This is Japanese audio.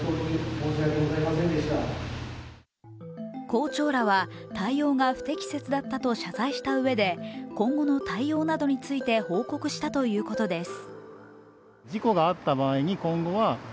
校長らは対応が不適切だったと謝罪したうえで今後の対応などについて報告したということです。